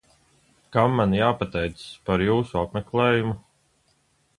Kam man jāpateicas par jūsu apmeklējumu?